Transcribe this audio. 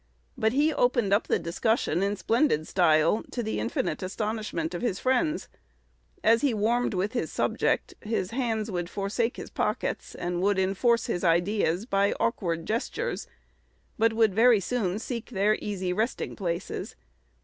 But he opened up the discussion in splendid style, to the infinite astonishment of his friends. As he warmed with his subject, his hands would forsake his pockets and would enforce his ideas by awkward gestures, but would very soon seek their easy resting places.